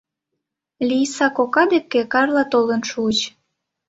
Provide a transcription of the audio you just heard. Лийса кока ден Карла толын шуыч.